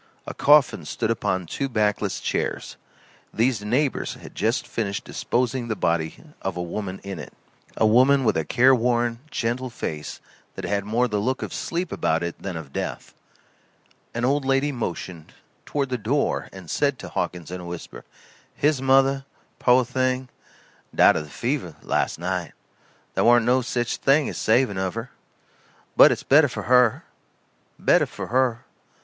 A coffin stood upon two backless chairs. These neighbors had just finished disposing the body of a woman in it a woman with a careworn, gentle face that had more the look of sleep about it than of death. An old lady motioned, toward the door and said to Hawkins in a whisper: "His mother, po' thing. Died of the fever, last night. Tha warn't no sich thing as saving of her. But it's better for her better for her.